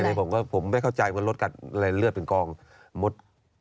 ไม่ใช่เลยผมก็ไม่เข้าใจว่ามดกัดอะไรเลือดเป็นกองมด